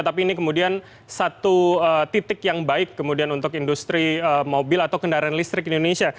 tapi ini kemudian satu titik yang baik kemudian untuk industri mobil atau kendaraan listrik di indonesia